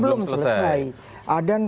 belum selesai dan